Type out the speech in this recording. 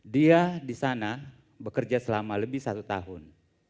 dia di sana bekerja selama lebih satu tahun